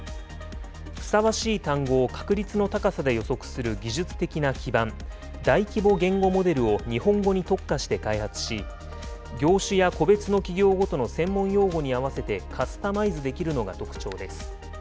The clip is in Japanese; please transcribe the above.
ふさわしい単語を確率の高さで予測する技術的な基盤、大規模言語モデルを日本語に特化して開発し、業種や個別の企業ごとの専門用語に合わせてカスタマイズできるのが特徴です。